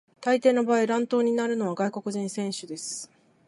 大抵の場合、乱闘になるのは外国人選手です。